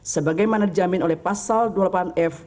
sebagaimana dijamin oleh pasal dua puluh delapan f